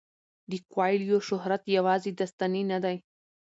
د کویلیو شهرت یوازې داستاني نه دی.